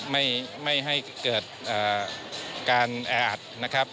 ไม่ให้เกิดการแออัดนะครับ